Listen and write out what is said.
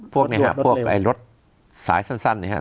พวกนี้ฮะพวกรถสายสั้นเนี่ยฮะ